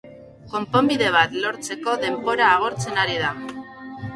Konponbide bat lortzeko denbora agortzen ari da.